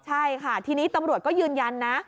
ใช่ค่ะทีนี้ตำรวจก็ยืนยันนะ